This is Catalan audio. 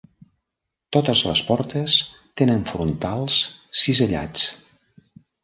Totes les portes tenen frontals cisellats.